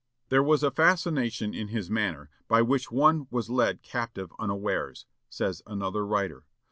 "There was a fascination in his manner, by which one was led captive unawares," says another writer.